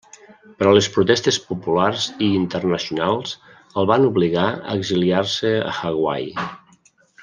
Però les protestes populars i internacionals el van obligar a exiliar-se a Hawaii.